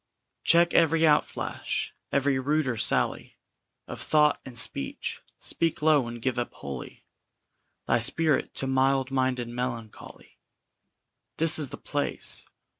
] Check every outflash, every ruder sally Of thought and speech; speak low, and give up wholly Thy spirit to mild minded Melancholy; This is the place.